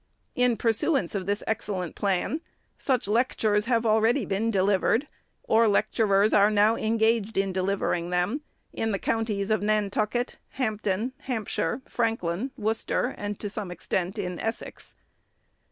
In pursuance of this excellent plan, such lectures have already been delivered, or lecturers are now engaged in delivering them, in the counties of Nantucket, Hainp den, Hampshire, Franklin, Worcester, and to some extent in Essex.